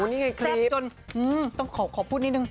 แซ่บจนขอพูดนิดนึง